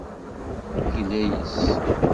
Tegla yes-s.